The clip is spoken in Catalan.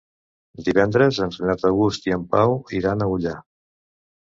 Divendres en Renat August i en Pau iran a Ullà.